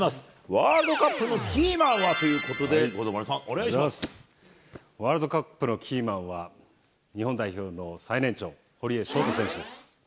ワールドカップのキーマンはということで、五郎丸さん、お願いしワールドカップのキーマンは、日本代表の最年長、堀江翔太選手です。